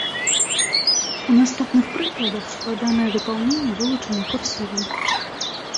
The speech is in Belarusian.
У наступных прыкладах складанае дапаўненне вылучана курсівам.